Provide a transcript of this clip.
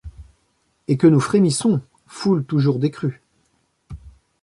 Et que nous frémissons, foule toujours décrue